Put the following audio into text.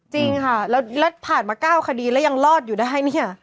จริงค่ะแล้วผ่านมา๙คดีแล้วยังรอดอยู่ได้เนี่ย